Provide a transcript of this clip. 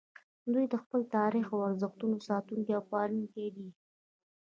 دوی د خپل تاریخ او ارزښتونو ساتونکي او پالونکي دي